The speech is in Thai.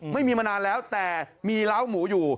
ไม่มีมานานแล้วแต่มีเล้าหมูอยู่